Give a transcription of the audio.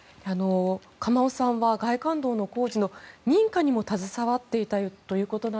鎌尾さんは外環道の工事の認可にも携わっていたと。